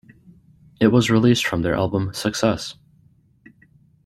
It was released from their album "Success".